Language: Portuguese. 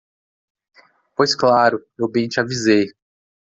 pois claro, eu bem te avisei.